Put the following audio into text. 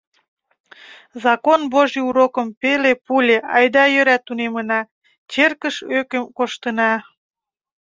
Закон божий урокым пеле-пуле, айда-йӧра тунемына, черкыш ӧкым коштына.